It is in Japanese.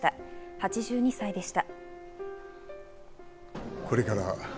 ８２歳でした。